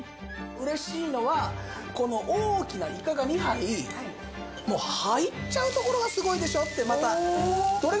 嬉しいのはこの大きなイカが２杯もう入っちゃうところがすごいでしょってまた。